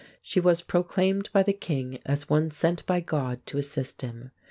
She was proclaimed by the king as one sent by God to assist him.